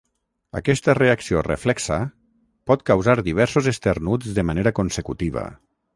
Aquesta reacció reflexa pot causar diversos esternuts de manera consecutiva.